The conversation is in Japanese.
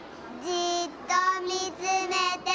「じっとみつめて」。